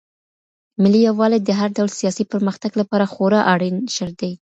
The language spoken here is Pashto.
ملي يووالی د هر ډول سياسي پرمختګ لپاره خورا اړين شرط دی.